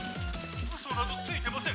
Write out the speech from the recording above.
ウソなどついてません。